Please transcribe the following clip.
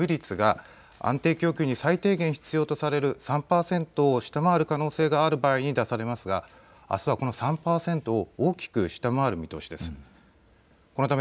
いわゆる予備率が安定供給に最低限必要とされる３パーセントを下回る可能性がある場合に出されますがあすはこの３パーセントを大きく下回る見通しです。